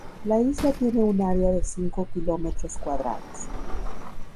La isla tiene un área de cinco kilómetros cuadrados.